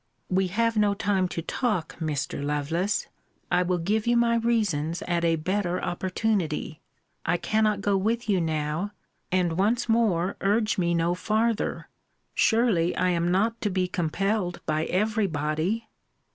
We have no time to talk, Mr. Lovelace. I will give you my reasons at a better opportunity. I cannot go with you now and once more urge me no farther surely, I am not to be compelled by every body!